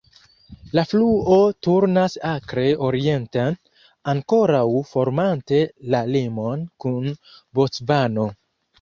La fluo turnas akre orienten, ankoraŭ formante la limon kun Bocvano.